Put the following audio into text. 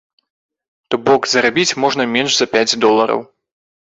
То бок зарабіць можна менш за пяць долараў.